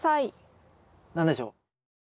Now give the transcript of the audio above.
何でしょう？